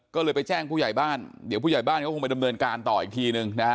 ก็เลยไปแจ้งผู้ใหญ่บ้านเดี๋ยวผู้ใหญ่บ้านเขาคงไปดำเนินการต่ออีกทีนึงนะฮะ